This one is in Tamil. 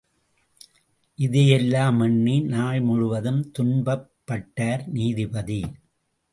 இதையெல்லாம் எண்ணி நாள் முழுவதும் துன்பப்பட்டார் நீதிபதி.